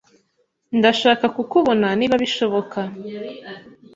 Ndashaka kukubona niba bishoboka.